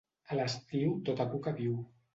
A l'estiu tota cuca viu.